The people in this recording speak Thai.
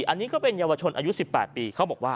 อันนี้ก็เป็นเยาวชนอายุ๑๘ปี